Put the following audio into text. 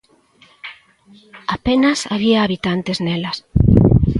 Apenas había habitantes nelas.